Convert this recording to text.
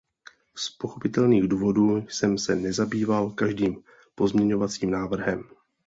Z pochopitelných důvodů jsem se nezabýval každým pozměňovacím návrhem.